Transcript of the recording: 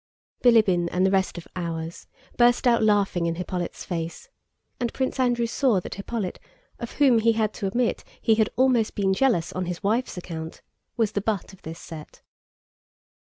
Bilíbin and the rest of "ours" burst out laughing in Hippolyte's face, and Prince Andrew saw that Hippolyte, of whom—he had to admit—he had almost been jealous on his wife's account, was the butt of this set.